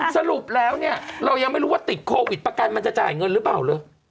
สรุปแล้วเนี่ยเรายังไม่รู้ว่าติดโควิดประกันมันจะจ่ายเงินหรือเปล่าเลย